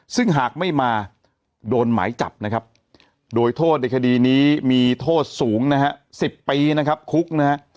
ซึ่งหากไม่มาโดนหมายจับนะครับโดยโทษในคดีนี้มีโทษสูงนะฮะ๑๐ปีนะครับคุกนะฮะ